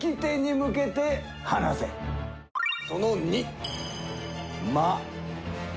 その２。